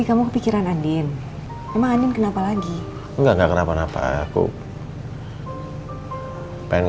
ya perasaanku gak enak soalnya yuk